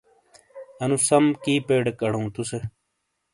انُو سَم کی پیڈک اڑؤں تُسے۔